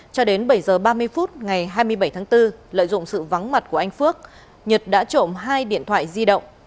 cho đến bảy h ba mươi phút ngày hai mươi bảy tháng bốn lợi dụng sự vắng mặt của anh phước nhật đã trộm hai điện thoại di động